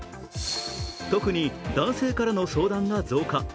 特に男性からの相談が増加。